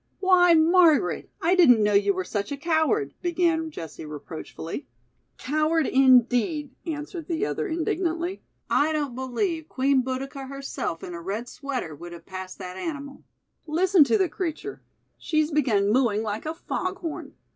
"Why, Margaret, I didn't know you were such a coward," began Jessie reproachfully. "Coward, indeed," answered the other indignantly. "I don't believe Queen Boadicea herself in a red sweater would have passed that animal. Listen to the creature. She's begun mooing like a foghorn.